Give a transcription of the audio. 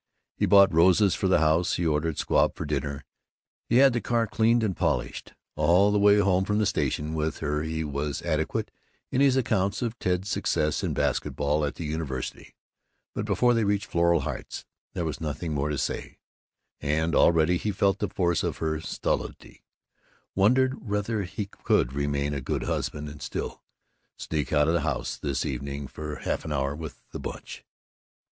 He bought roses for the house, he ordered squab for dinner, he had the car cleaned and polished. All the way home from the station with her he was adequate in his accounts of Ted's success in basket ball at the university, but before they reached Floral Heights there was nothing more to say, and already he felt the force of her stolidity, wondered whether he could remain a good husband and still sneak out of the house this evening for half an hour with the Bunch.